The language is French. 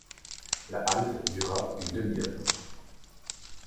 La halte dura une demi-heure.